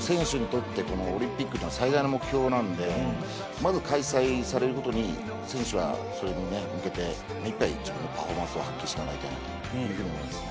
選手にとってこのオリンピックっていうのは最大の目標なのでまず開催される事に選手はそれにね向けてめいっぱい自分のパフォーマンスを発揮してもらいたいなという風に思いますね。